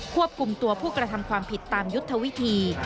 ควบคุมตัวผู้กระทำความผิดตามยุทธวิธี